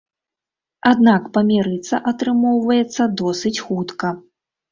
Аднак памірыцца атрымоўваецца досыць хутка.